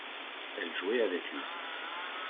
Elle jouait avec lui.